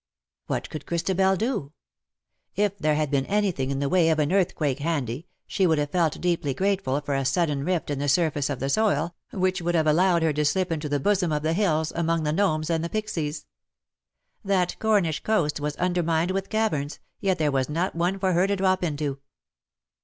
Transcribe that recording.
What could Christabel do ? If there had been anything in the way of an earthquake handy, she would have felt deeply grateful for a sudden rift in the surface of the soil,, which would have allowed her to slip into the bosom of the hills, among the gnomes and the pixies. That Cornish coast was under mined with caverns, yet there was not one for her to drop into.